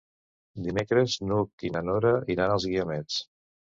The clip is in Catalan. Dimecres n'Hug i na Nora iran als Guiamets.